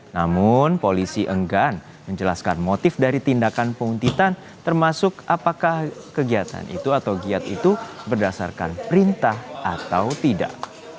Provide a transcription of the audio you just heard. namun polisi enggan menjelaskan motif dari tindakan penguntitan termasuk apakah kegiatan itu atau giat itu berdasarkan perintah atau tidak